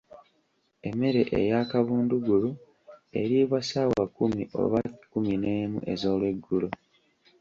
Emmere eyakabundugulu eriibwa ssaawa kkumi oba kumineemu ezoolweggulo.